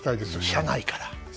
社内から。